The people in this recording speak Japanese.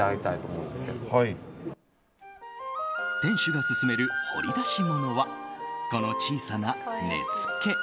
店主が勧める掘り出し物はこの小さな根付。